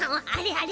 あれ？